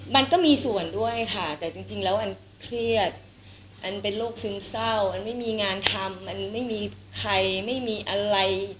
มันก็มีส่วนด้วยค่ะแต่จริงแล้วอันเครียดอันเป็นโรคซึมเศร้าอันไม่มีงานทำอันไม่มีใครไม่มีอะไร